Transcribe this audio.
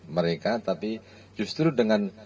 mereka tapi justru dengan